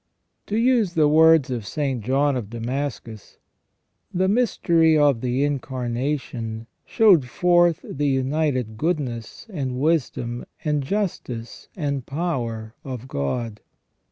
To use the words of St. John of Damascus : The mystery of the Incarnation showed forth the united goodness and wisdom, and justice and power of God.